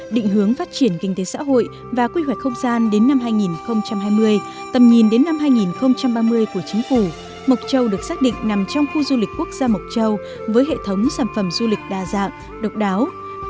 định hướng phát triển kinh tế xã hội và quy hoạch không gian đến năm hai nghìn hai mươi tầm nhìn đến năm hai nghìn ba mươi của chính phủ mộc châu được xác định nằm trong khu du lịch quốc gia mộc châu với hệ thống sản phẩm du lịch đa dạng độc đáo